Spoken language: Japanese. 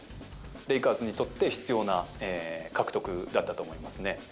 レイカーズにとって必要な獲得だったと思いますね。